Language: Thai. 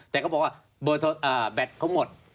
แต่เขาบอกว่าแบตเขาหมด